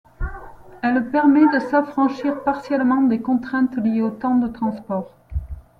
Elle permet de s'affranchir partiellement des contraintes liées au temps de transport.